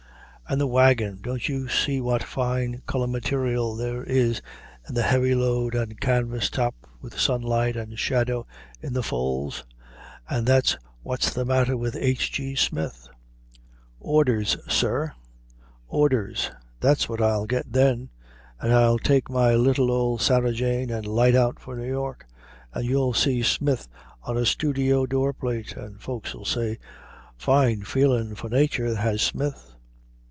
And the wagon! Don't you see what fine color material there is in the heavy load and canvas top with sunlight and shadow in the folds? And that's what's the matter with H. G. Smith. "Orders, sir, orders; that's what I'll get then, and I'll take my little old Sarah Jane and light out for New York, and you'll see Smith on a studio doorplate, and folks'll say, 'Fine feeling for nature, has Smith!'"